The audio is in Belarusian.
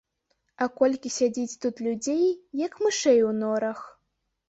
А колькі сядзіць тут людзей, як мышэй у норах.